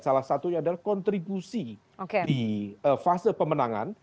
salah satunya adalah kontribusi di fase pemenangan